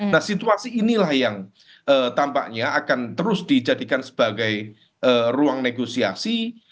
nah situasi inilah yang tampaknya akan terus dijadikan sebagai ruang negosiasi